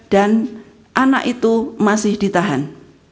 dan anak itu masih ditahan